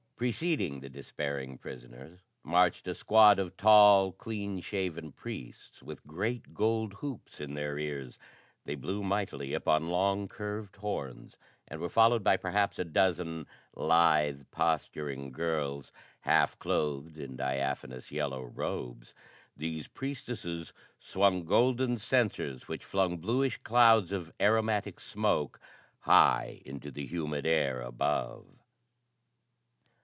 Preceding the despairing prisoners marched a squad of tall, clean shaven priests with great gold hoops in their ears. They blew mightily upon long, curved horns, and were followed by perhaps a dozen lithe, posturing girls, half clothed in diaphanous yellow robes. These priestesses swung golden censers which flung bluish clouds of aromatic smoke high into the humid air above.